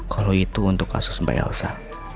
kalau itu untuk kasus mbak elsa